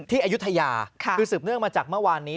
อายุทยาคือสืบเนื่องมาจากเมื่อวานนี้